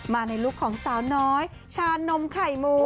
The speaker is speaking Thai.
มาในลุคของสาวน้อยชานมไข่หมู